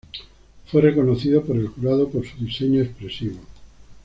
Fue reconocido por el jurado por su diseño expresivo.